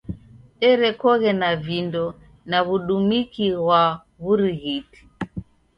Derekoghe na vindo na w'udumiki ghwa w'urighiti.